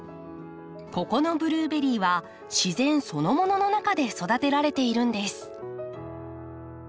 ここのブルーベリーは自然そのものの中で育てられているんです。